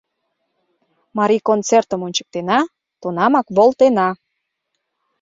Марий концертым ончыктена — тунамак волтена.